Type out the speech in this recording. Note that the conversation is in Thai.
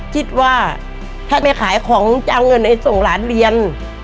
คิดว่าถ้าแม่ขายของจะเอาเงินไหนส่งหลานเรียน